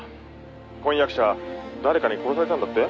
「婚約者誰かに殺されたんだって？」